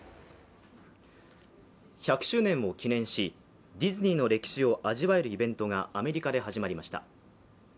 １００周年を記念しディズニーの歴史を味わえるイベントがアメリカで始まりました。